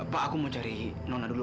pak aku mau cari nona dulu